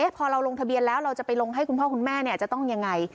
พอเราลงทะเบียนแล้วเราจะไปลงให้คุณพ่อคุณแม่จะต้องยังไง